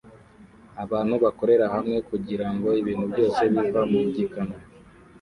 Abantu bakorera hamwe kugirango ibintu byose biva mu gikamyo